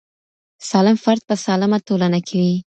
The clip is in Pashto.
سالم فرد په سالمه ټولنه کي وي.